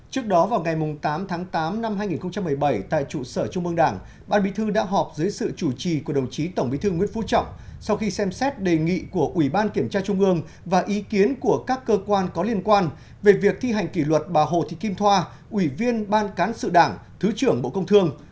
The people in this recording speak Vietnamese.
trước đó vào ngày tám tháng tám năm hai nghìn một mươi bảy tại trụ sở trung mương đảng ban bí thư đã họp dưới sự chủ trì của đồng chí tổng bí thư nguyễn phú trọng sau khi xem xét đề nghị của ủy ban kiểm tra trung ương và ý kiến của các cơ quan có liên quan về việc thi hành kỷ luật bà hồ thị kim thoa ủy viên ban cán sự đảng thứ trưởng bộ công thương